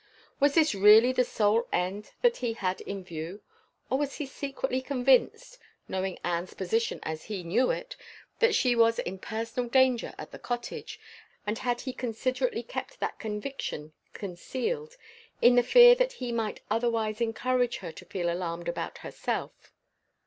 Was this really the sole end that he had in view? or was he secretly convinced (knowing Anne's position as he knew it) that she was in personal danger at the cottage? and had he considerately kept that conviction concealed, in the fear that he might otherwise encourage her to feel alarmed about herself?